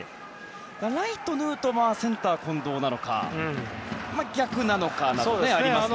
ライト、ヌートバーセンター、近藤なのか逆なのかなんてこともありますね。